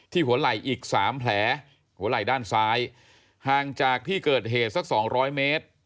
หัวไหล่อีก๓แผลหัวไหล่ด้านซ้ายห่างจากที่เกิดเหตุสัก๒๐๐เมตร